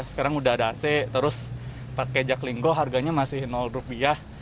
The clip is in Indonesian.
sekarang udah ada ac terus pakai jaklinggo harganya masih rupiah